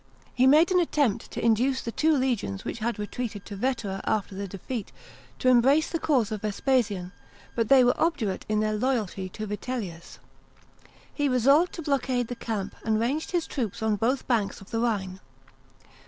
He made an attempt to induce the two legions which had retreated to Vetera after tha defeat to embrace the cause of Vespasian, but they were obdurate in their loyalty to Vitellius. He resolved to blockade the camp, and ranged his troops on both banks of the Rhine.